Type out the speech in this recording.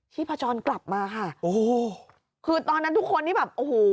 พจรกลับมาค่ะโอ้โหคือตอนนั้นทุกคนนี่แบบโอ้โห